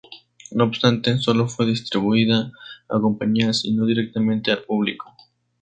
No obstante, sólo fue distribuida a compañías y no directamente al público.